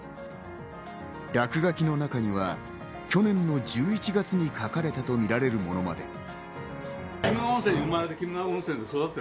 落書きの中には去年の１１月に書かれたとみられるものまで。